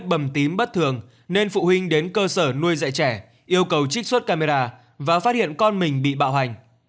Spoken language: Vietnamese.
bầm tím bất thường nên phụ huynh đến cơ sở nuôi dạy trẻ yêu cầu trích xuất camera và phát hiện con mình bị bạo hành